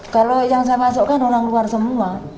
kalau yang saya masukkan orang luar semua